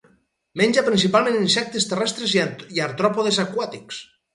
Menja principalment insectes terrestres i artròpodes aquàtics.